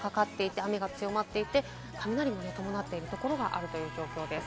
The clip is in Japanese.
所々で雨雲がかかっていて雨が強まっていて、雷も伴っているところがあります。